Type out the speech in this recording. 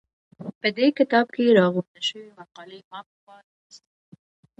په دې کتاب کې راغونډې شوې مقالې ما پخوا لوستې وې.